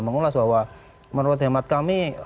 mengulas bahwa menurut hemat kami